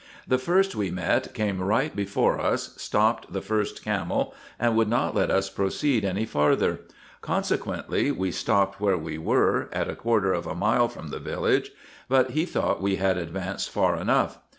The first we met came right before us, stopped the first camel, and would not let us proceed any farther; consequently we stopped where we were, at a quarter of a 416 RESEARCHES AND OPERATIONS mile from the village, but he thought we had advanced far enough.